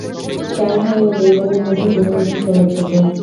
চার ভাই ও দুই বোনের মধ্যে তিনি হলেন সবার ছোট।